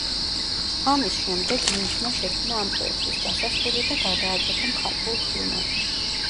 ამის შემდეგ ლინჩმა შექმნა ამ პროექტის დასასრული და გადააკეთა მხატვრულ ფილმად.